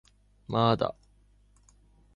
まーだ